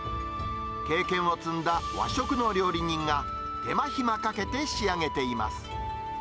経験を積んだ和食の料理人が、手間暇かけて仕上げています。